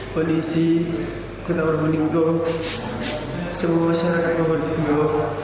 polisi kota pabu ninggo semua masyarakat pabu ninggo